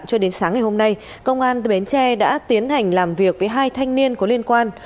cho đến sáng ngày hôm nay công an tỉnh bến tre đã tiến hành làm việc với hai thanh niên có liên quan